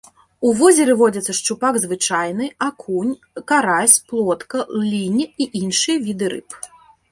У возеры водзяцца шчупак звычайны, акунь, карась, плотка, лінь і іншыя віды рыб.